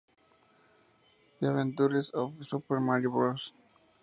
The Adventures of Super Mario Bros.